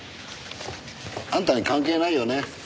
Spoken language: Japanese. あんたに関係ないよね？